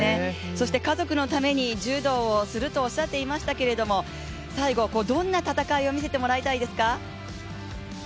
そして家族のために柔道をするとおっしゃっていましたけれども、最後どんな戦いを見せてもらいたいですか？